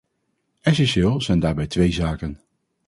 Essentieel zijn daarbij twee zaken.